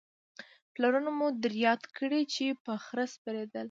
پلرونه مو در یاد کړئ چې په خره سپرېدل